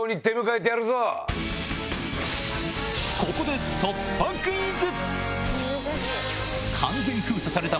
ここで突破クイズ！